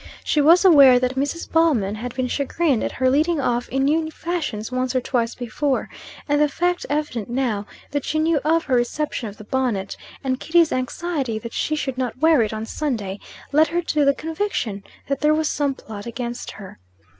She was aware that Mrs. Ballman had been chagrined at her leading off in new fashions once or twice before; and the fact, evident now, that she knew of her reception of the bonnet, and Kitty's anxiety that she should not wear it on Sunday, led her to the conviction that there was some plot against her.